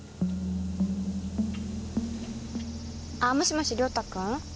ああもしもし亮太君？